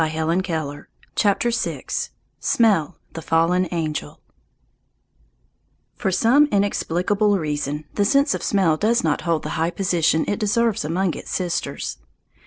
SMELL, THE FALLEN ANGEL VI SMELL, THE FALLEN ANGEL FOR some inexplicable reason the sense of smell does not hold the high position it deserves among its sisters.